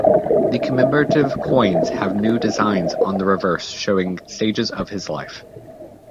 The commemorative coins have new designs on the reverse showing stages of his life.